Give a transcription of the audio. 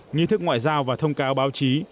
nghi thức ngoại giao và thông cáo báo chí